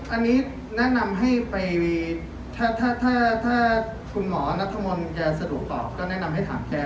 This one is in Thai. อันนี้แนะนำให้ไปถ้าคุณหมอนัทมนต์แกสะดวกต่อก็แนะนำให้ถามแก